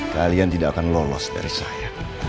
kalian tidak akan lolos dari saya